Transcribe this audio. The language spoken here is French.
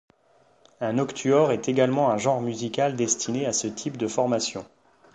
Un octuor est également un genre musical destiné à ce type de formation.